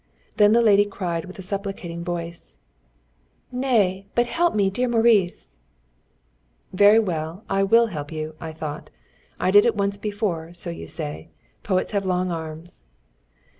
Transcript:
Then the lady cried with a supplicating voice: "Nay; but help me, dear Maurice!" "Very well, I will help you," thought I; "I did it once before, so you say. Poets have long arms."